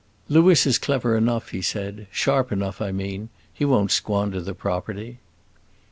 "Louis is clever enough," he said, "sharp enough, I mean. He won't squander the property."